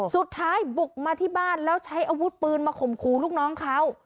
สุดท้ายบุกมาที่บ้านแล้วใช้อาวุธปืนมาข่มขู่ลูกน้องเขา